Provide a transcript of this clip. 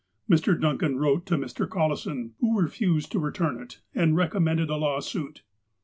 Mr. Duncan wrote to Mr. Collison, who refused to return it, and recommended a lawsuit.